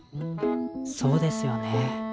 そうですよね。